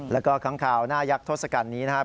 และก็ข้างข่าวหน้ายักษ์ทศกัณฐ์นี้นะครับ